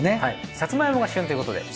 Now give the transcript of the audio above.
さつまいもが旬っていうことで。